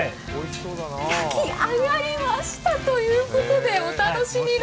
焼き上がりましたということでお楽しみの。